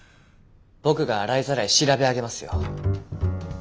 僕が洗いざらい調べ上げますよ。